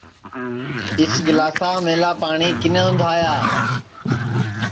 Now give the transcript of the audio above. اِس گِلاساملا پاٹؔی کِنے اُندھایا